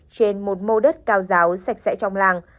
trên một mô đất cao giáo sạch sẽ trong làng